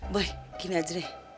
boy gini aja deh